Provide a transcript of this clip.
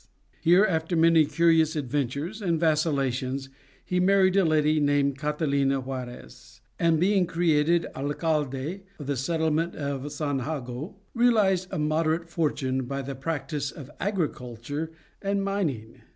Here after many curious adventures and vacillations he married a lady named Catalina Xuarez, and being created alcade of the settlement of St. Jago realized a moderate fortune by the practice of agriculture and mining.